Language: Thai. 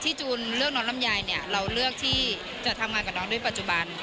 จูนเลือกน้องลำไยเนี่ยเราเลือกที่จะทำงานกับน้องด้วยปัจจุบัน